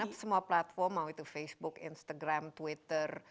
karena semua platform mau itu facebook instagram twitter